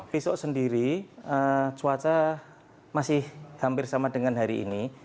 besok sendiri cuaca masih hampir sama dengan hari ini